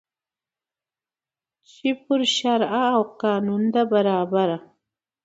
چي پر شرع او قانون ده برابره